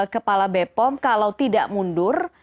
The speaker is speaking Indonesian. kepala b pom kalau tidak mundur